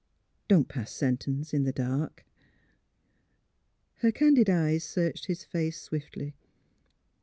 Don't pass sentence — in the dark. '' Her candid eyes searched his face swiftly.